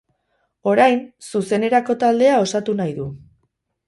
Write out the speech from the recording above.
Orain, zuzenerako taldea osatu nahi du.